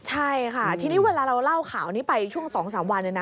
ใช่ค่ะทีนี้เวลาเราเล่าข่าวนี้ไปช่วง๒๓วัน